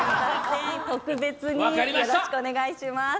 特別に、よろしくお願いします。